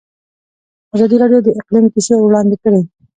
ازادي راډیو د اقلیم کیسې وړاندې کړي.